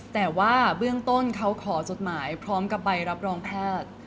แต่ว่าเบื้องต้นเขาขอจดหมายพร้อมกับใบรับรองแพทย์